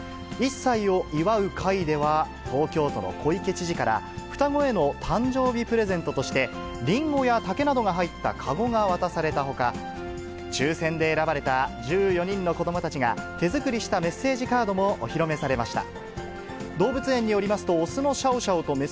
１歳を祝う会では、東京都の小池知事から双子への誕生日プレゼントとして、リンゴや竹などが入った籠が渡されたほか、抽せんで選ばれた１４人の子どもたちが、手作りしたメッセージカードもお披露目されました。